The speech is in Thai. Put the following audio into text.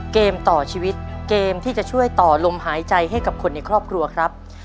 เกมต่อชีวิตเกมที่จะช่วยต่อลมหายใจให้กับคนในครอบครัวครับ